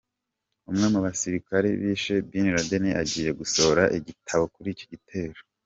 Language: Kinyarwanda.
Umwe mu basirikare bishe Bin Laden agiye gusohora igitabo kuri icyo gitero